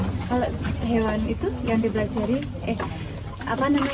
kalau hewan itu yang dibelajari